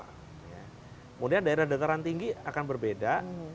kemudian daerah dataran tinggi akan berbeda